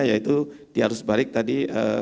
yaitu dia harus balik tadi